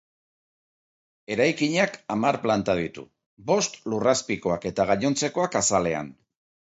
Eraikinak hamar planta ditu, bost lurrazpikoak eta gainontzekoak azalean.